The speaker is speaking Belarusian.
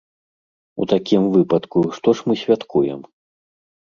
У такім выпадку, што ж мы святкуем?